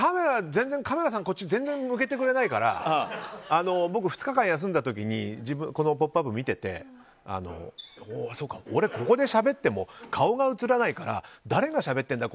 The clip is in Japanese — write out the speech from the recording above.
全然こっち向けてくれないから僕２日間休んだ時にこの「ポップＵＰ！」を見ててそうか、俺ここでしゃべっても顔が映らないから誰がしゃべってんだ